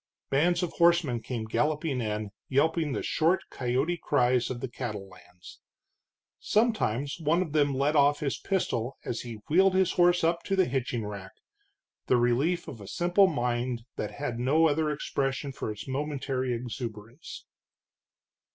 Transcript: Bands of horsemen came galloping in, yelping the short, coyote cries of the cattle lands. Sometimes one of them let off his pistol as he wheeled his horse up to the hitching rack, the relief of a simple mind that had no other expression for its momentary exuberance.